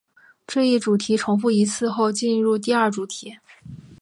这一主题重复一次后进入第二主题。